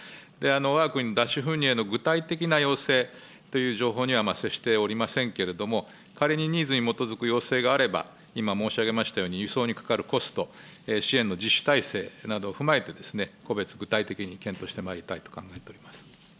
わが国の脱脂粉乳への具体的な要請という情報には接しておりませんけれども、仮にニーズに基づく要請があれば、今、申し上げましたように、輸送にかかるコスト、支援の実施体制などを踏まえて、個別具体的に検討してまいりたいと考えております。